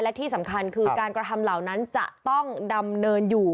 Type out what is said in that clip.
และที่สำคัญคือการกระทำเหล่านั้นจะต้องดำเนินอยู่